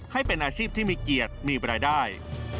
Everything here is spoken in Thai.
ให้เป็นอาชีพที่มีเกียรติมีรายได้